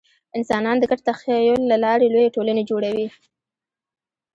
انسانان د ګډ تخیل له لارې لویې ټولنې جوړوي.